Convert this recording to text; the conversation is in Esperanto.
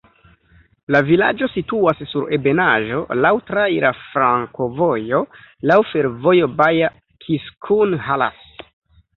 La vilaĝo situas sur ebenaĵo, laŭ traira flankovojo, laŭ fervojo Baja-Kiskunhalas.